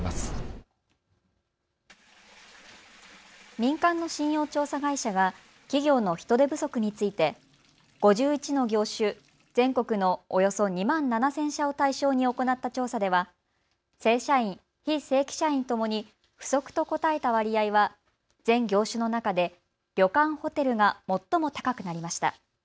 民間の信用調査会社が企業の人手不足について５１の業種、全国のおよそ２万７０００社を対象に行った調査では正社員、非正規社員ともに不足と答えた割合は全業種の中で旅館・ホテルが最も高くなりました。